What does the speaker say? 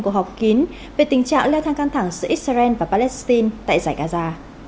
cuộc họp kín về tình trạng leo thang căng thẳng giữa israel và palestine tại giải gaza